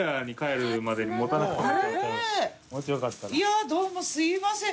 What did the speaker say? いやぁどうもすいません。